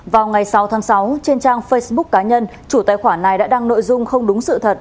vào ngày sáu tháng sáu trên trang facebook cá nhân chủ tài khoản này đã đăng nội dung không đúng sự thật